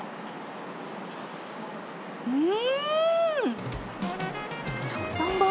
うん！